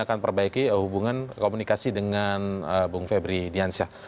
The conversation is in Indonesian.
kita akan perbaiki hubungan komunikasi dengan b febri diansyah